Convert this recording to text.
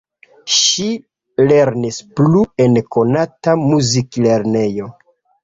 Ŝi lernis plu en konata muziklernejo.